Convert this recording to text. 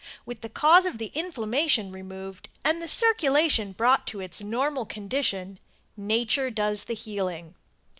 With the cause of the inflammation removed and the circulation brought to its normal condition nature does the healing.